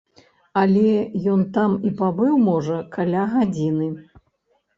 Але ён там і пабыў, можа, каля гадзіны.